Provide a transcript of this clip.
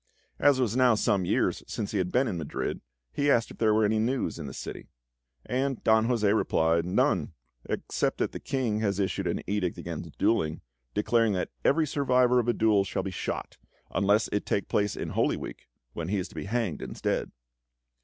As it was now some years since he had been in Madrid, he asked if there was any news in the city; and Don José replied "None; except that the King has issued an edict against duelling, declaring that every survivor of a duel shall be shot, unless it take place in Holy Week, when he is to be hanged instead."